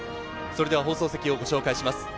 それでは放送席をご紹介します。